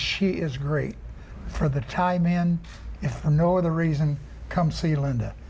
เธอคือที่เก่งถ้าไม่มีคำสั่งคุณต้องมาเจอกับลินดา